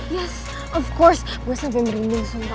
ya tentu gue sabi merinding sumpah